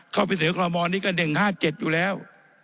เข้าไปเสนอความรวมนี้ก็๑๕๗อยู่แล้ว